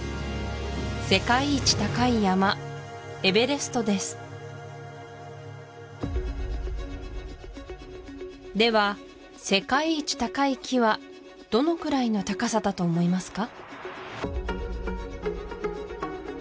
世界一高い山エベレストですでは世界一高い木はどのくらいの高さだと思いますか？